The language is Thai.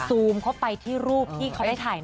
ซูมเข้าไปที่รูปที่เขาได้ถ่าย